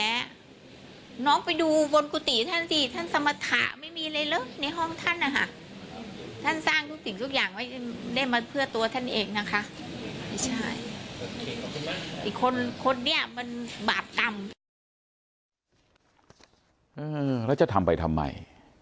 แล้วจะทำไปทำไม